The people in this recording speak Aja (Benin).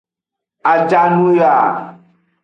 Ajanuyoa.